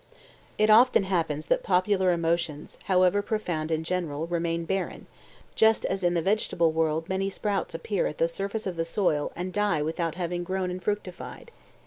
It often happens that popular emotions, however profound and general, remain barren, just as in the vegetable world many sprouts appear at the surface of the soil and die without having grown and fructified.